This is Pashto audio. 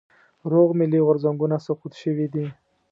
روغ ملي غورځنګونه سقوط شوي دي.